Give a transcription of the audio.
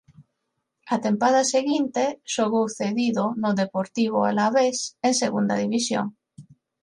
A tempada seguinte xogou cedido no Deportivo Alavés en Segunda División.